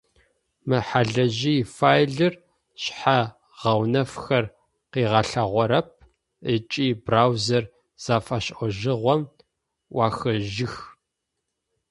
Мы хьалыжъый файлыр шъхьэ-гъэунэфхэр къыгъэлъагъорэп ыкӏи браузэр зэфэшӏыжьыгъом ӏуахыжьых.